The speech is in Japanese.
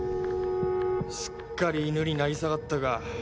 すっかり犬に成り下がったか。